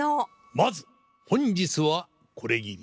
まず本日はこれぎり。